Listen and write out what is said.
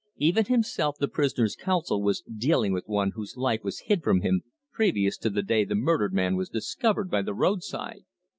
Even himself the prisoner's counsel was dealing with one whose life was hid from him previous to the day the murdered man was discovered by the roadside.